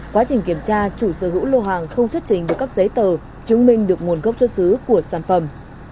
quá trình kiểm tra chủ sở hữu lô hàng không xuất trình được các giấy tờ chứng minh được nguồn gốc xuất xứ của sản phẩm